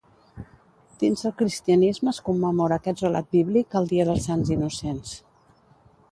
Dins el cristianisme es commemora aquest relat bíblic al dia dels sants innocents.